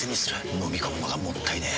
のみ込むのがもったいねえ。